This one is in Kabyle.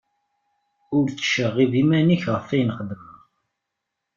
Ur ttceɣɣib iman-ik ɣef ayen xedmeɣ.